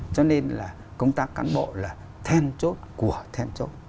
cho nên là công tác cán bộ là thêm chốt của thêm chốt